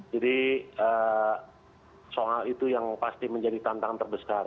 jadi soal itu yang pasti menjadi tantangan terbesar